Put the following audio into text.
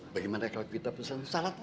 bagaimana kalau kita pesan salat aja